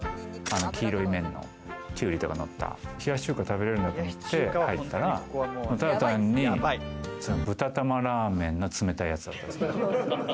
黄色い麺のきゅうりとか乗った、冷やし中華食べれるんだと思って入ったら、ただ単に豚玉ラーメンの冷たいやつだった。